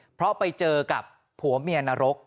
เพราะไปเจอกับผัวเมียนรก